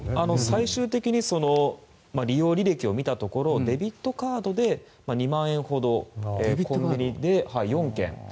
最終的に利用履歴を見たところデビットカードで２万円ほど４件。